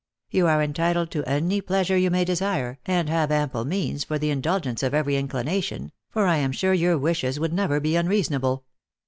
You are entitled to any pleasure you may desire, and have ample means for the indulgence of every inclination, for I am sure your wishes would never be unreasonable."